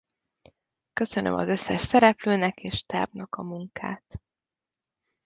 Köszönöm az összes szereplőnek és stábnak a munkát.